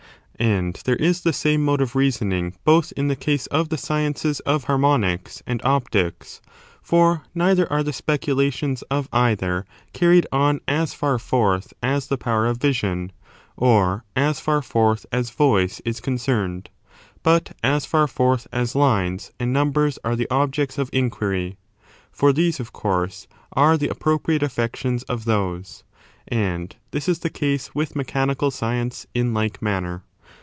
6 Thii 8ur "^^^ there is the same mode of reasoning both mise confirmed in the casc of the scieuccs of Harmonics and Somtheobjecu Opti<58 ; for neither are the speculations of either of optica and carried on as far forth as the power of vision, or ec an c8. 33 f^ forth as voice is concerned, but as far forth as lines and numbers are the objects of inquiry; for these, of course, are the appropriate affections of those : and this is the case with mechanical science in like manner.